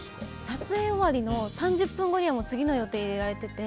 撮影終わりの３０分後にはもう次の予定を入れられてて。